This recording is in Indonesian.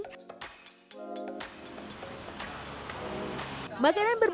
untuk makanan penutup saya memilih kudapan khas jawa barat awuk di awuk cibenying